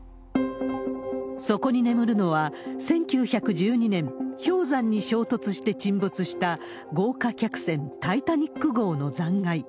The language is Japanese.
そこに眠るのは、１９１２年、氷山に衝突して沈没した豪華客船タイタニック号の残骸。